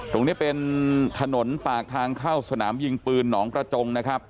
ตรงนี้เป็นถนนปากทางเข้าสนามยิงปืนหนองกระจงนะครับ